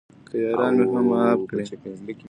که یاران مې معاف هم کړي.